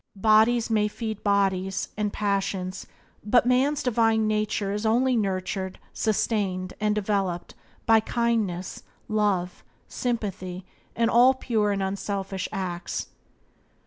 Bodies may feed bodies, and passions, but man's divine nature is only nurtured, sustained, and developed by kindness, love, sympathy, and all pure and unselfish acts.